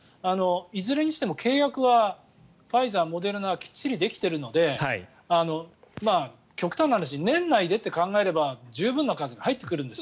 いずれにしても契約はファイザー、モデルナはきっちりできているので極端な話年内でと考えれば十分な数、入ってくるんです。